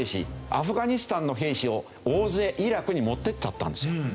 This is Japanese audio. アフガニスタンの兵士を大勢イラクに持ってっちゃったんですよ。